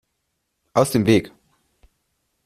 Aus dem Weg!